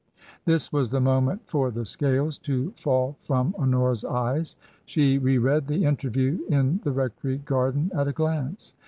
This was the moment for the scales to fall from Honora's eyes. She re read the interview in the rec tory garden at a glance.